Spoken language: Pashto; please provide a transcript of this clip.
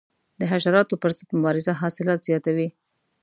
د حشراتو پر ضد مبارزه حاصلات زیاتوي.